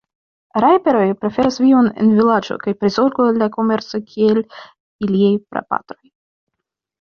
Rajper-oj preferas vivon en vilaĝo kaj prizorgo la komerco kiel iliaj prapatroj.